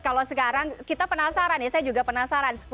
kalau sekarang kita penasaran ya saya juga penasaran